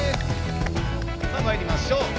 まいりましょう。